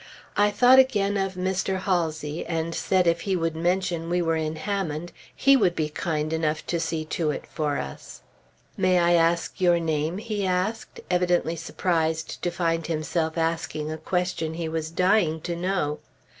I thought again of Mr. Halsey, and said if he would mention we were in Hammond, he would be kind enough to see to it for us. "May I ask your name?" he asked, evidently surprised to find himself asking a question he was dying to know.